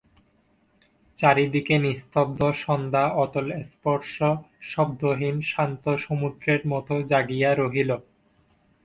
চারি দিকে নিস্তব্ধ সন্ধ্যা অতলস্পর্শ শব্দহীন শান্ত সমুদ্রের মতো জাগিয়া রহিল।